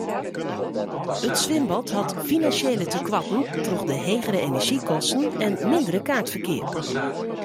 It swimbad hat finansjele tekoarten troch de hegere enerzjykosten en mindere kaartferkeap.